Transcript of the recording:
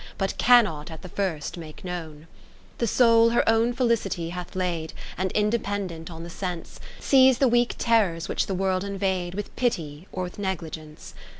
But cannot at the first make known. 40 XI The soul her own felicity hath laid. And independent on ^ the sense. Sees the weak terrors which the World invade With pity or with negligence.